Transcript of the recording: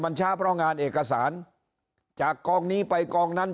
มันช้าเพราะงานเอกสารจากกองนี้ไปกองนั้น